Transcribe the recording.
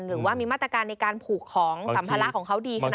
หรือว่ามีมาตรการในการผูกของสัมภาระของเขาดีขนาดนี้